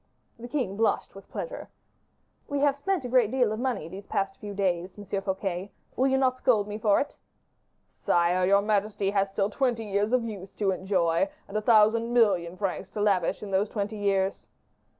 The king blushed with pleasure. "We have spent a great deal of money these few days past, Monsieur Fouquet; will you not scold me for it?" "Sire, your majesty has still twenty years of youth to enjoy, and a thousand million francs to lavish in those twenty years."